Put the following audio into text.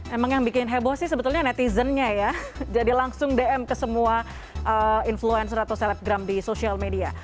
emang yang bikin heboh sih sebetulnya netizennya ya jadi langsung dm ke semua influencer atau selebgram di sosial media